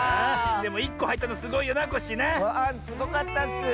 でも１こはいったのすごいよなコッシーな。わすごかったッス！